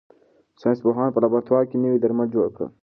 ساینس پوهانو په لابراتوار کې نوي درمل جوړ کړل.